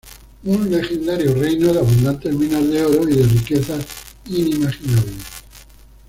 Un legendario reino de abundantes minas de oro y de riquezas inimaginables.